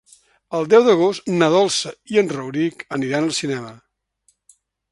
El deu d'agost na Dolça i en Rauric aniran al cinema.